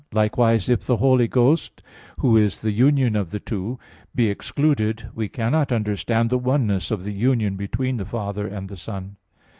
Likewise, if the Holy Ghost, Who is the union of the two, be excluded, we cannot understand the oneness of the union between the Father and the Son.